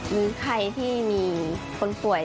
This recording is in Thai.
มีใครที่มีคนป่วย